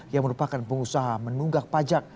yang merupakan pengusaha menunggak pajak